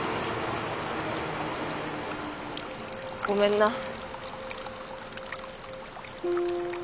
ごめんな。